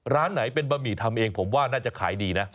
ร้านไหนเป็นบะหมี่ทำเองผมว่าน่าจะขายดีนะ